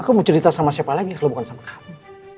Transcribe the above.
aku mau cerita sama siapa lagi kalau bukan sama kamu